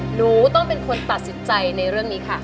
หนูต้องเป็นคนตัดสินใจในเรื่องนี้ค่ะ